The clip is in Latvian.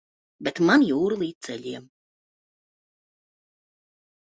Bet man jūra līdz ceļiem.